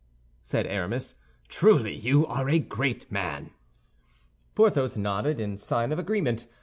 said Aramis, "truly you are a great man." Porthos nodded in sign of agreement.